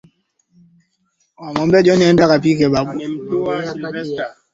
kutafuta uadilifu wa kweli wa kiroho Huu ni uzuri wa pekee kutoka